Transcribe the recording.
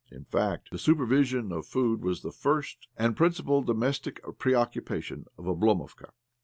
In fact, the supervision of food was the first and the principal domestic preoccupation of Oblo movka.